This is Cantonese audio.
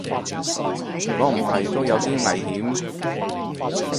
如果唔係都有啲危險